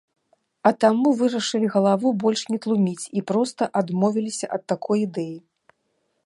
А таму вырашылі галаву больш не тлуміць і проста адмовіліся ад такой ідэі.